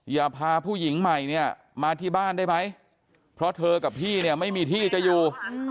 อย่าพาผู้หญิงใหม่เนี่ยมาที่บ้านได้ไหมเพราะเธอกับพี่เนี่ยไม่มีที่จะอยู่